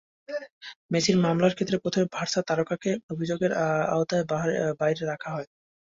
মেসির মামলার ক্ষেত্রে প্রথমে বার্সা তারকাকে অভিযোগের আওতার বাইরে রাখা হয়।